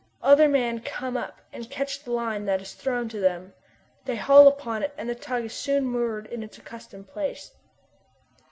Other men come up and catch the line that is thrown to them. They haul upon it, and the tug is soon moored in its accustomed place.